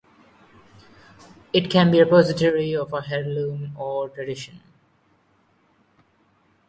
It can be the repository of an heirloom or tradition.